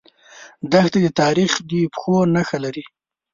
دښته د تاریخ د پښو نخښه لري.